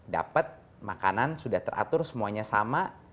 dapat makanan sudah teratur semuanya sama